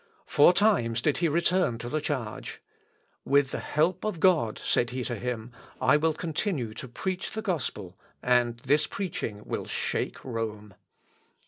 Four times did he return to the charge. "With the help of God," said he to him, "I will continue to preach the gospel, and this preaching will shake Rome."